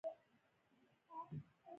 • زاړه ساعتونه تاریخي ارزښت لري.